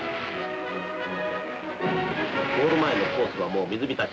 ゴール前のコースはもう水浸し。